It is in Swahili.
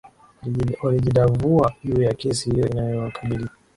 walijadavua juu ya kesi hiyo inayowakabili